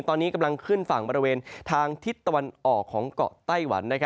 ตอนนี้กำลังขึ้นฝั่งบริเวณทางทิศตะวันออกของเกาะไต้หวัน